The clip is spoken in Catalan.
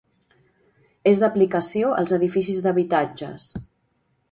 És d'aplicació als edificis d'habitatges.